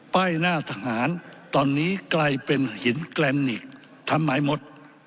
หน้าทหารตอนนี้กลายเป็นหินแกรนนิกทำหมายหมด